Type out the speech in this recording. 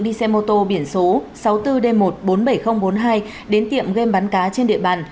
đi xe mô tô biển số sáu mươi bốn d một trăm bốn mươi bảy nghìn bốn mươi hai đến tiệm game bắn cá trên địa bàn